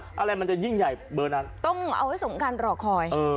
หมู่บ้านอะไรมันจะยิ่งใหญ่เบอร์นั้นต้องเอาให้สมคัญหรอกคอยเออ